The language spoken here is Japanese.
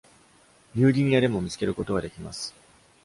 ニューギニアでも見つけることができます。